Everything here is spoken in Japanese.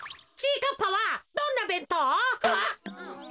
かっぱはどんなべんとう？